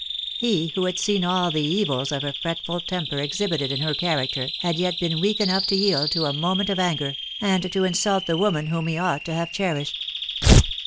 He who had seen all the evils of a fretful temper exhibited in her character had yet been weak enough to yield to a moment of anger, and to insult the woman whom he ought to have cherished.